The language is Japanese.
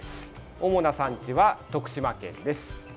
主な産地は徳島県です。